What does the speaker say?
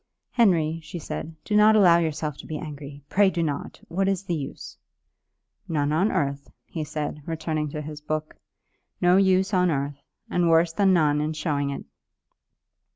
"Henry," she said, "do not allow yourself to be angry; pray do not. What is the use?" "None on earth," he said, returning to his book. "No use on earth; and worse than none in showing it."